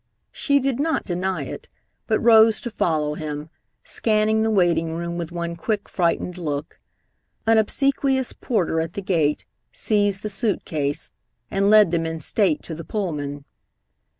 She did not deny it, but rose to follow him, scanning the waiting room with one quick, frightened look. An obsequious porter at the gate seized the suit case and led them in state to the Pullman.